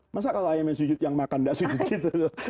masa kalau ayamnya sujud yang makan gak sujud gitu loh